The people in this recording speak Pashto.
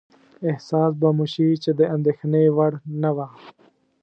احساس به مو شي چې د اندېښنې وړ نه وه.